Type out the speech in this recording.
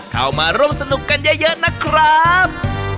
เข้ามาร่วมสนุกกันเยอะนะครับ